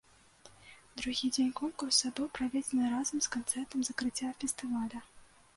Другі дзень конкурса быў праведзены разам з канцэртам закрыцця фестываля.